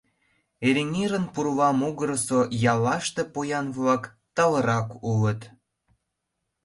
Эреҥерын пурла могырысо яллаште поян-влак талырак улыт.